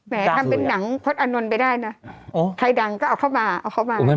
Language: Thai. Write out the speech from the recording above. ทำเป็นหนังพลตอานนท์ไปได้นะใครดังก็เอาเข้ามาเอาเข้ามา